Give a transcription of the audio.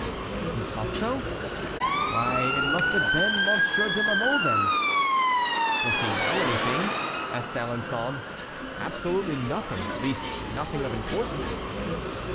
"You thought so? Why, it must have been Monsieur de la Mole, then." "Does he know anything?" asked D'Alençon. "Absolutely nothing; at least, nothing of importance."